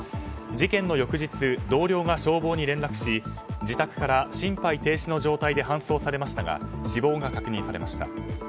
事件の翌日、同僚が消防に連絡し自宅から心肺停止の状態で搬送されましたが死亡が確認されました。